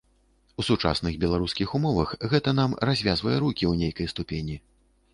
У сучасных беларускіх умовах, гэта нам развязвае рукі ў нейкай ступені.